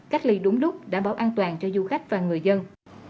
cách ly đúng lúc đảm bảo an toàn cho du khách và người dân